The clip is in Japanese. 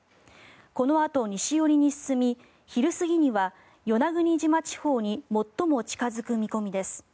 このあと西寄りに進み昼過ぎには与那国島地方に最も近付く見込みです。